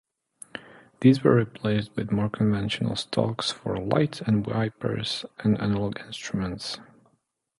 These were replaced with more conventional stalks for light and wipers and analogue instruments.